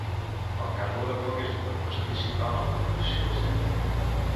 El carbó de coc és un recurs principal en la producció d'acer.